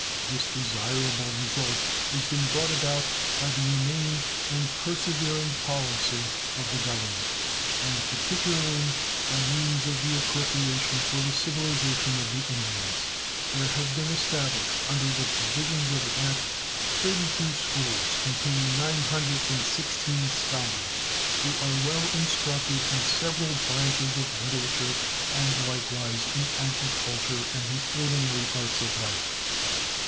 This desirable result has been brought about by the humane and persevering policy of the Government, and particularly by means of the appropriation for the civilization of the Indians. There have been established under the provisions of this act 32 schools, containing 916 scholars, who are well instructed in several branches of literature, and likewise in agriculture and the ordinary arts of life.